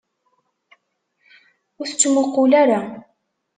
Ur t-ttmuqqul ara!